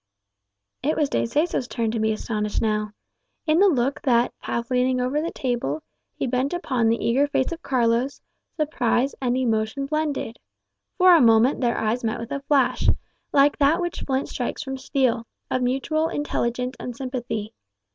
It was De Seso's turn to be astonished now. In the look that, half leaning over the table, he bent upon the eager face of Carlos, surprise and emotion blended. For a moment their eyes met with a flash, like that which flint strikes from steel, of mutual intelligence and sympathy.